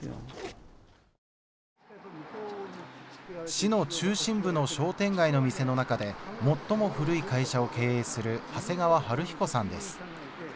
市の中心部の商店街の店の中で最も古い会社を経営する長谷川晴彦さんです。